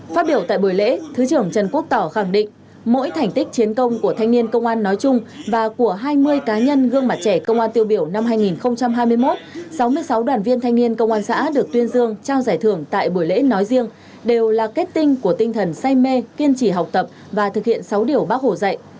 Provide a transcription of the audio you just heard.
phát biểu tại buổi lễ thứ trưởng trần quốc tỏ khẳng định mỗi thành tích chiến công của thanh niên công an nói chung và của hai mươi cá nhân gương mặt trẻ công an tiêu biểu năm hai nghìn hai mươi một sáu mươi sáu đoàn viên thanh niên công an xã được tuyên dương trao giải thưởng tại buổi lễ nói riêng đều là kết tinh của tinh thần say mê kiên trì học tập và thực hiện sáu điều bác hồ dạy